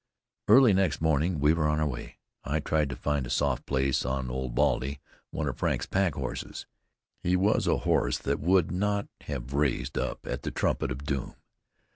Early next morning we were on our way. I tried to find a soft place on Old Baldy, one of Frank's pack horses. He was a horse that would not have raised up at the trumpet of doom.